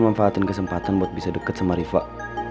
memanfaatin kesempatan buat bisa deket sama rifah